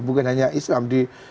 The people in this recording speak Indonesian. bukan hanya islam